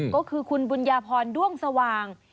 ก็คือคุณบุญญาพรด้วงสว่าง